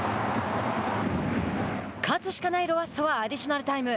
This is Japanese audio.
勝つしかないロアッソはアディショナルタイム。